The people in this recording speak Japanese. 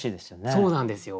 そうなんですよ。